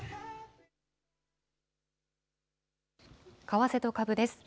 為替と株です。